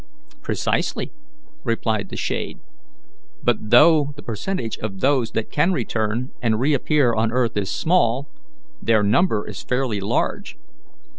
"Precisely," replied the shade. "But though the percentage of those that can return and reappear on earth is small, their number is fairly large.